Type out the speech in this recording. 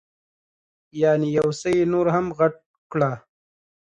یعنې یو څه یې نور هم غټ کړه.